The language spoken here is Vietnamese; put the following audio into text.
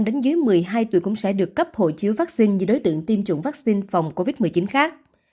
tuy nhiên một mươi hai tuổi cũng sẽ được cấp hộ chiếu vaccine như đối tượng tiêm chủng vaccine phòng covid một mươi chín khác